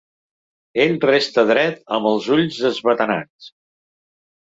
Ell resta dret amb els ulls esbatanats.